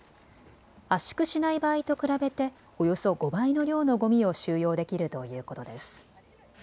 圧縮しない場合と比べておよそ５倍の量のごみを収容できるということです。